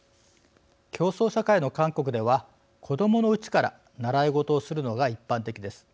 競争社会の韓国では子どものうちから習い事をするのが一般的です。